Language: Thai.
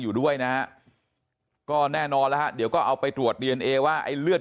อยู่ด้วยนะฮะก็แน่นอนแล้วฮะเดี๋ยวก็เอาไปตรวจดีเอนเอว่าไอ้เลือด